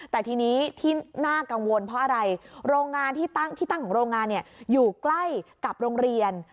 แต่ทีนี้ที่น่ากังวลเพราะอะไรโรงงานที่ตั้งของโรงงานอยู่ใกล้กับโรงเรียน